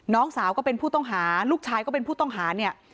น้องสาวก็เป็นผู้ต้องหาลูกชายก็เป็นผู้ต้องหาเนี่ย